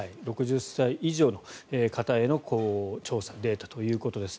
６０歳以上の方への調査、データということです。